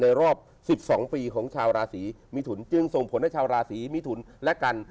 รอบ๑๒ปีของชาวราศีมิถุนจึงส่งผลให้ชาวราศีมิถุนและกัน